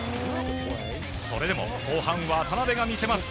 それでも後半、渡邊が見せます。